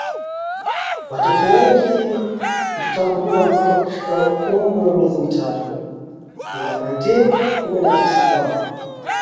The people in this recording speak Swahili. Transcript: watoto wengi kutotambuliwa mpaka kufikia umri wa miezi mitatu ilapaitin Kumi na tisa Kwa